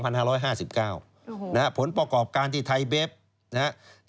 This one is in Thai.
นะฮะผลประกอบการที่ไทยเบฟนะฮะ